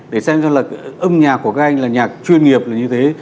để xem cho là âm nhạc của các anh là nhạc chuyên nghiệp là như thế